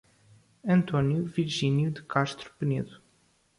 Antônio Virginio de Castro Penedo